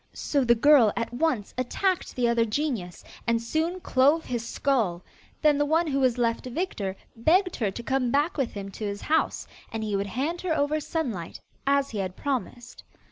So the girl at once attacked the other genius, and soon clove his skull; then the one who was left victor begged her to come back with him to his house and he would hand her over Sunlight, as he had promised.